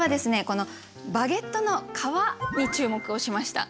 このバゲットの皮に注目をしました。